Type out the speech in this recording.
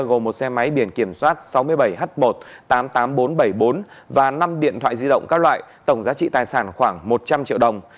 gồm một xe máy biển kiểm soát sáu mươi bảy h một tám mươi tám nghìn bốn trăm bảy mươi bốn và năm điện thoại di động các loại tổng giá trị tài sản khoảng một trăm linh triệu đồng